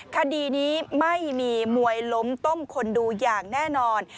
คดีนี้ไม่มีมวยล้มต้มคนดูอย่างแน่นอน